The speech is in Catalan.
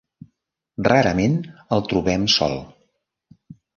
Rarament el trobem sol.